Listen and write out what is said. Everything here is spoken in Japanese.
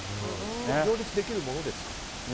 両立できるものですか？